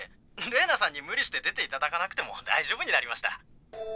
レイナさんに無理して出ていただかなくても大丈夫になりました。